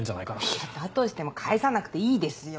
いやだとしても返さなくていいですよ。